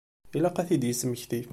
Ilaq ad t-id-yesmekti.